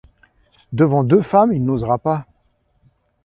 Devant deux femmes il n’osera pas !